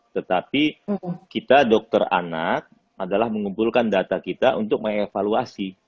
tetapi kita dokter anak adalah mengumpulkan data kita untuk mengevaluasi